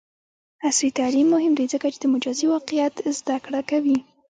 عصري تعلیم مهم دی ځکه چې د مجازی واقعیت زدکړه کوي.